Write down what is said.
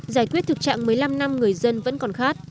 giải quyết thực trạng một mươi năm năm người dân vẫn còn khác